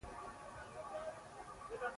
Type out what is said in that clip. د دواړو وروڼو ښځې بربادي شوې وې.